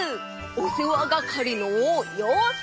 おせわがかりのようせい！